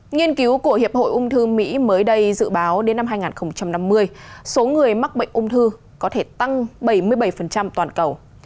nghiên cứu của hiệp hội ung thư mỹ mới đây dự báo đến năm hai nghìn năm mươi số người mắc bệnh ung thư có thể tăng bảy mươi bảy toàn cầu